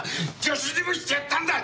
助手にもしてやったんだ。